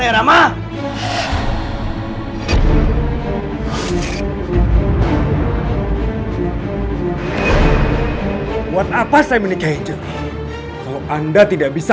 rama kenapa kamu buat anjali nangis